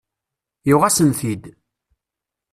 Yuɣ-asen-t-id.